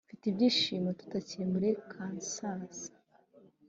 mfite ibyiyumvo tutakiri muri kansas.